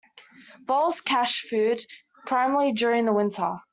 Voles cache food, primarily during the winter.